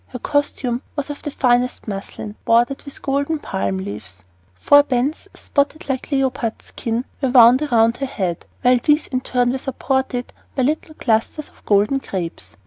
Her costume was of the finest muslin bordered with golden palm leaves. Four bands, spotted like a leopard's skin, were wound about her head, while these in turn were supported by little clusters of golden grapes.